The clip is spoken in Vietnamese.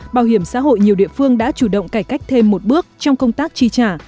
bảo hiểm xã hội nhiều địa phương đã chủ động cải cách thêm một bước trong công tác chi trả